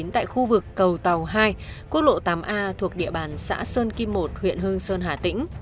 tại khu vực cầu tàu hai quốc lộ tám a thuộc địa bàn xã sơn kim một huyện hương sơn hà tĩnh